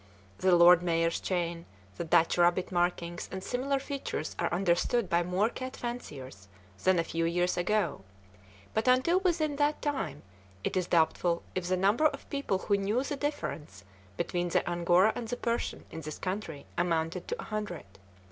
The "lord mayor's chain," the "Dutch rabbit markings," and similar features are understood by more cat fanciers than a few years ago; but, until within that time, it is doubtful if the number of people who knew the difference between the Angora and the Persian in this country amounted to a hundred.